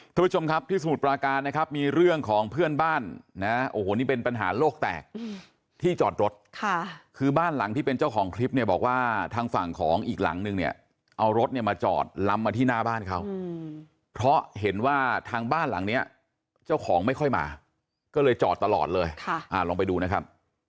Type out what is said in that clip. ทุกผู้ชมครับที่สมุทรปราการนะครับมีเรื่องของเพื่อนบ้านนะโอ้โหนี่เป็นปัญหาโลกแตกที่จอดรถค่ะคือบ้านหลังที่เป็นเจ้าของคลิปเนี่ยบอกว่าทางฝั่งของอีกหลังนึงเนี่ยเอารถเนี่ยมาจอดลำมาที่หน้าบ้านเขาเพราะเห็นว่าทางบ้านหลังเนี้ยเจ้าของไม่ค่อยมาก็เลยจอดตลอดเลยค่ะอ่าลองไปดูนะครับ